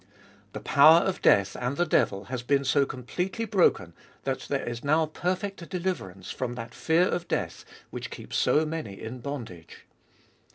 The power of death and the devil has been so completely broken that there is now per fect deliverance from that fear of death which keeps so many in bondage.